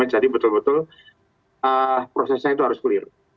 jadi betul betul prosesnya itu harus clear